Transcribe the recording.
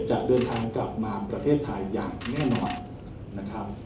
จะเดินทางกลับมาประเทศไทยอย่างแน่นอนนะครับ